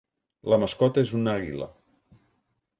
La mascota és una àguila.